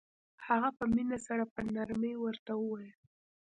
هغه په مينه سره په نرمۍ ورته وويل.